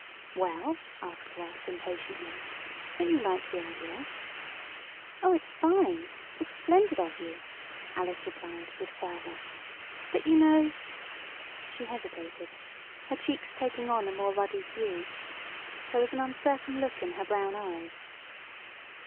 "Well," asked Russ, impatiently, "don't you like the idea?" "Oh, it's fine it's splendid of you!" Alice replied, with fervor, "but you know " She hesitated, her cheeks taking on a more ruddy hue. There was an uncertain look in her brown eyes.